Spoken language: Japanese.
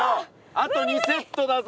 あと２セットだぞ！